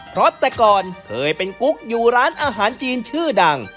เพราะแต่ก่อนเคยเป็นกุ๊กอยู่ร้านอาหารจีนชื่อดัง